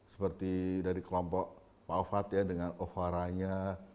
seperti dari kelompok pak ofat ya dengan ovaranya